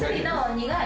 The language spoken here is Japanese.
苦い？